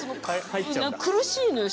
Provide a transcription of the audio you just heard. うん苦しいのよ。